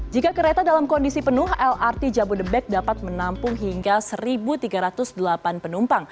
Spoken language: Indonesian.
jika kereta dalam kondisi penuh lrt jabodebek dapat menampung hingga satu tiga ratus delapan penumpang